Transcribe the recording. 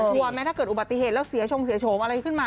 หัวแม้ถ้าเกิดอุบัติเหตุแล้วเสียโชงอะไรขึ้นมา